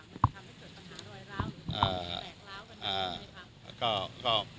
มันทำให้เกิดปัญหาลอยล้าวหรือแปลกล้าวกันอย่างไรไหมคะ